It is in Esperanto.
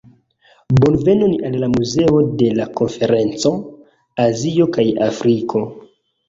Bonvenon al la muzeo de la konferenco, Azio kaj Afriko